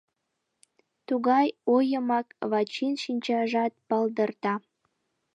Тугай ойымак Вачин шинчажат палдырта...